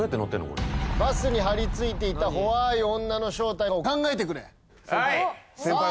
これバスに張り付いていたほわい女の正体を考えてくれはい先輩